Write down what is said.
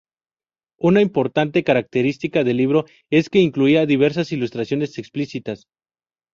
Una importante característica del libro es que incluía diversas ilustraciones explícitas.